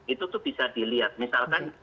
itu tuh bisa dilihat misalkan